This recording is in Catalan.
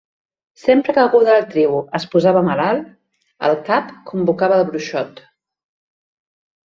Sempre que algú de la tribu es posava malalt, el cap convocava al bruixot.